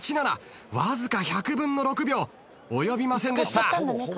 わずか１００分の６秒及びませんでした。